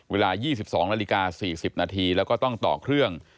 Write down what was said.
เวลา๒๒น๔๐นแล้วก็ต้องต่อเครื่อง